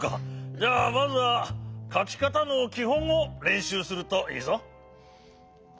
じゃあまずはかきかたのきほんをれんしゅうするといいぞ。